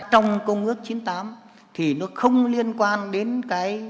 trong công ước chín mươi tám thì nó không liên quan đến cái